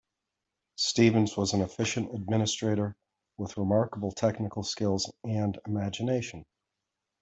Stevens was an efficient administrator with remarkable technical skills and imagination.